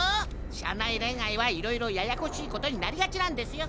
社内恋愛はいろいろややこしいことになりがちなんですよ。